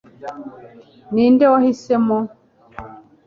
ninde wahisemo